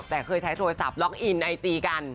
แต่เคยใช้โทรศัพท์ล็อกอินไอจีกัน